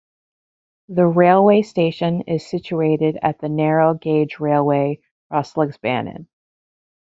The railway station is situated at the narrow gauge railway Roslagsbanan.